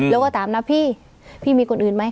แล้วก็ถามนะพี่พี่มีคนอื่นไหม